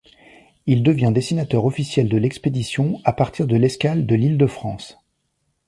Il devient dessinateur officiel de l'expédition à partir de l'escale de l'Île de France.